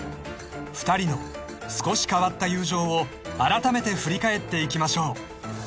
［２人の少し変わった友情をあらためて振り返っていきましょう］